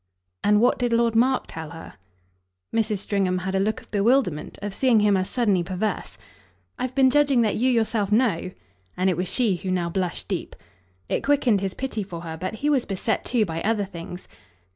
"And what did Lord Mark tell her?" Mrs. Stringham had a look of bewilderment of seeing him as suddenly perverse. "I've been judging that you yourself know." And it was she who now blushed deep. It quickened his pity for her, but he was beset too by other things.